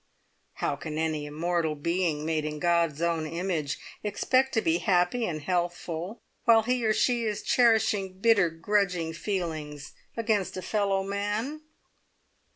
How can any immortal being, made in God's own image, expect to be happy and healthful while he or she is cherishing bitter grudging feelings against a fellow man?